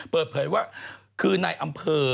เปิดเผยว่าคือในอำเภอ